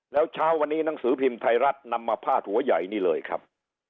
แล้วเช้าวันนี้หนังสือพิมพ์ไทยรัฐนำมาพาดหัวใหญ่นี่เลยครับ